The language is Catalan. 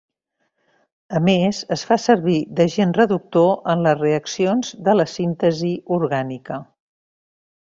A més es fa servir d'agent reductor en les reaccions de la síntesi orgànica.